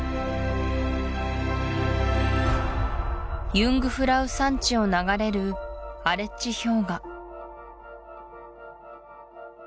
ユングフラウ山地を流れるアレッチ氷河